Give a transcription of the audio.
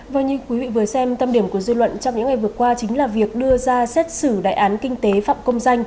vâng như quý vị vừa xem tâm điểm của dư luận trong những ngày vừa qua chính là việc đưa ra xét xử đại án kinh tế phạm công danh